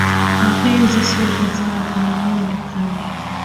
Mapenzi sio bidhaa ukanunue dukani